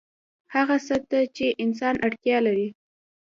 هغه څه ته چې انسان اړتیا لري